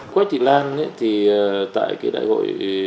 quách thị lan thì tại cái đại hội